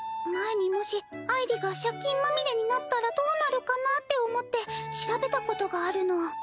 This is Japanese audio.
前にもしあいりが借金まみれになったらどうなるかなって思って調べたことがあるの。